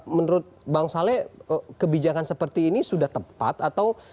menurut bang salai kebijakan seperti ini sudah tersedia